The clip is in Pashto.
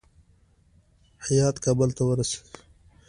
هیات کابل ته ورسېد.